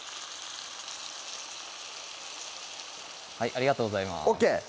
はいありがとうございますＯＫ？